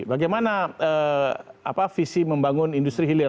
bagaimana visi membangun industri hilir